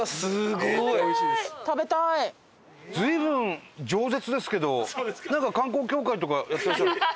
随分じょう舌ですけどなんか観光協会とかやってらっしゃる？